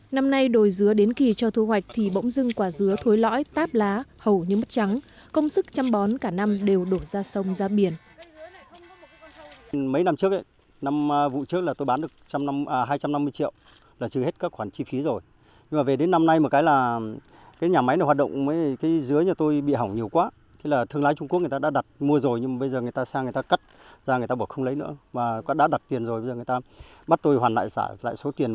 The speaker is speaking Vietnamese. năm nay đồi dứa đến kỳ cho thu hoạch thì bỗng dưng quả dứa thối lõi táp lá hầu như mất trắng công sức chăm bón cả năm đều đổ ra sông ra biển